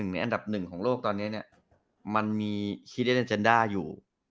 ๑ในอันดับ๑ของโลกตอนนี้มันมีคีย์เดชน์อันเจนด้าอยู่